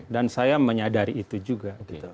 dan saya menyadari itu juga gitu